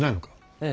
ええ。